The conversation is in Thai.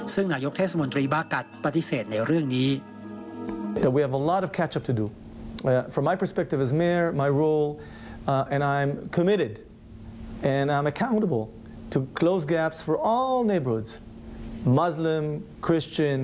ซึ่งนายกเทศมนตรีบากัดปฏิเสธในเรื่องนี้